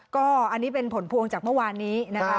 ก็อันนี้เป็นผลพวงจากเมื่อวานนี้นะคะ